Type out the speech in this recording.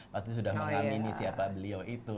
pasti sudah mengamini siapa beliau itu